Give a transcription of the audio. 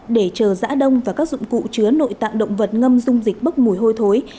để chờ giã đông và các dụng cụ chứa nội tạng động vật ngâm dung dịch bốc mùi hôi thối